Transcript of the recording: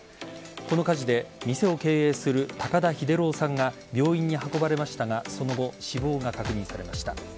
この火事で店を経営する高田秀郎さんが病院に運ばれましたがその後、死亡が確認されました。